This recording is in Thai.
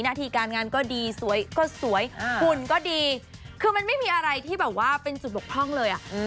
หน้าที่การงานก็ดีสวยก็สวยหุ่นก็ดีคือมันไม่มีอะไรที่แบบว่าเป็นจุดบกพร่องเลยอ่ะ